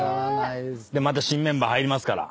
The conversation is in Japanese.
また新メンバー入りますから。